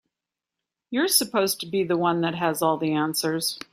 You're supposed to be the one that has all the answers.